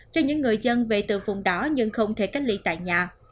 cho những người dân về từ vùng đó nhưng không thể cách ly tại nhà